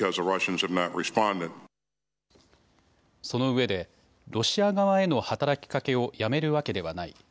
そのうえでロシア側への働きかけをやめるわけではない。